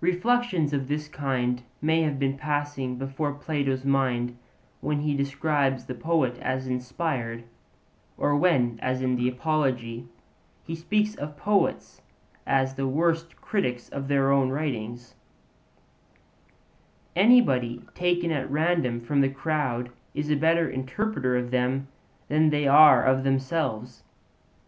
Reflections of this kind may have been passing before Plato's mind when he describes the poet as inspired, or when, as in the Apology, he speaks of poets as the worst critics of their own writings anybody taken at random from the crowd is a better interpreter of them than they are of themselves.